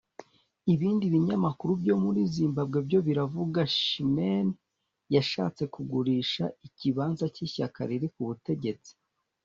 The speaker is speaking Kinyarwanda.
Ibindi binyamakuru byo muri Zimbabwe byo biravuga Chimene yashatse kugurisha ikibanza cy’ishyaka riri ku butegetsi